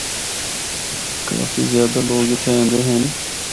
کافی زیادہ لوگ اِتھا ایندے ہن۔